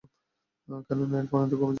কেননা, এর পরিণতি খুবই জঘন্য।